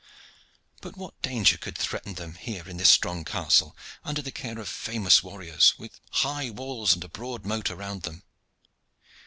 But what danger could threaten them here in this strong castle, under the care of famous warriors, with high walls and a broad moat around them?